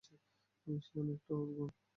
সে অনেকটা ওঁর গুণ।